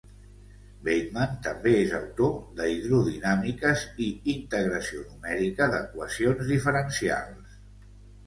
Bateman també és autor de Hidrodinàmiques i Integració numèrica d'equacions diferencials.